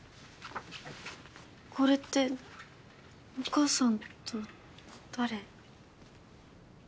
これってお母さんと誰？